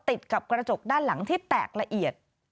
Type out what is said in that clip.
ติดกับกระจกด้านหลังที่แตกละเอียด